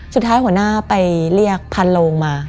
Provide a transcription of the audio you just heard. สุดท้ายหัวหน้าไปเรียกพันโลงมา